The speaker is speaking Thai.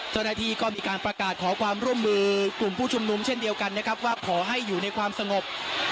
เจ้าหน้าที่ก็มีการประกาศขอความร่วมมือกลุ่มผู้ชุมนุมเช่นเดียวกันนะครับว่าขอให้อยู่ในความสงบ